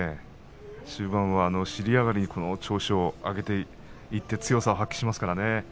終盤は尻上がりに調子を上げていって強さを発揮しますからね。